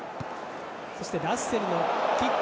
そしてラッセルのキック。